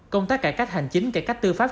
công tác cải cách hành chính cải cách tư pháp